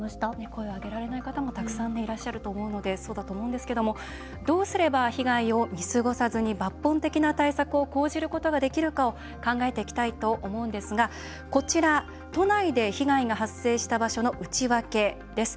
声を上げられない方もたくさんいらっしゃるのでそうだと思うんですがどうすれば被害を見過ごさずに抜本的な対策を講じることができるかを考えていきたいと思うんですが都内で被害が発生した場所の内訳です。